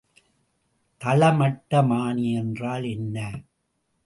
தளமட்டமானி என்றால் என்ன?